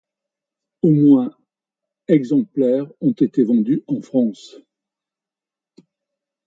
Au moins exemplaires ont été vendus en France.